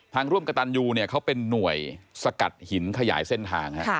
ร่วมกระตันยูเนี่ยเขาเป็นหน่วยสกัดหินขยายเส้นทาง